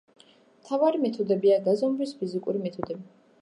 მთავარი მეთოდებია გაზომვის ფიზიკური მეთოდები.